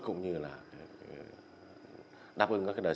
cũng như là đáp ứng các đời sống